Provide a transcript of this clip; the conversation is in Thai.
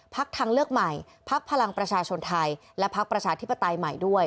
ภักดิ์ทางเลือกใหม่ภักดิ์พลังประชาชนไทยและภักดิ์ประชาธิปไตยใหม่ด้วย